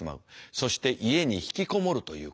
そして家に引きこもるということになる。